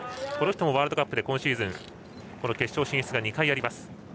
この人もワールドカップで今シーズン決勝進出が２回。